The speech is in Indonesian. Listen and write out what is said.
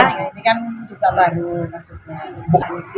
ini kan juga baru kasusnya